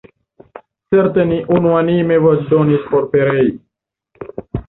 Certe ni unuanime voĉdonis por perei.